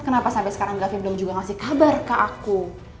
kenapa sampai sekarang grafi belum juga ngasih kabar ke aku